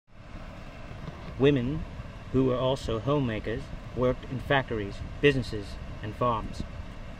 Women, who were also homemakers, worked in factories, businesses and farms.